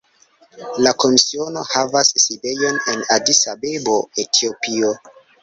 La Komisiono havas sidejon en Adis-Abebo, Etiopio.